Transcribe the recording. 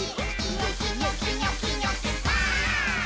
「ニョキニョキニョキニョキバーン！」